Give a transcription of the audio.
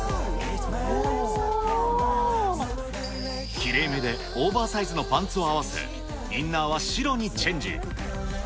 きれいめでオーバーサイズのパンツを合わせ、インナーは白にチェンジ。